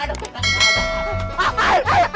aduh aduh aduh